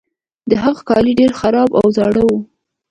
د هغه کالي ډیر خراب او زاړه وو.